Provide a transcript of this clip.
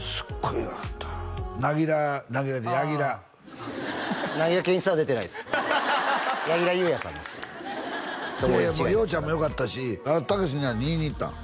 いやいやもう洋ちゃんもよかったしたけし兄に言いにいったん？